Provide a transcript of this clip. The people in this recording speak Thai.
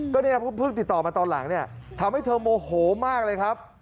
ก็พึ่งติดต่อมาตอนหลังทำให้เธอโมโหมากเลยครับ